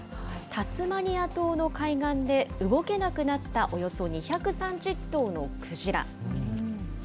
タスマニア島の海岸で動けなくなったおよそ２３０頭のクジラ。